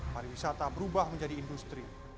hari wisata berubah menjadi industri